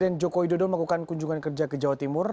presiden joko widodo melakukan kunjungan kerja ke jawa timur